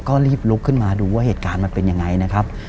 ก็รีบลุกขึ้นมาดูว่าเหตุการณ์มันเป็นยังไงนะครับ